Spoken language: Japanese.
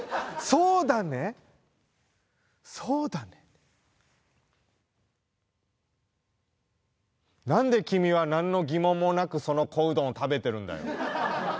そうだねって何で君は何の疑問もなくその小うどんを食べてるんだよ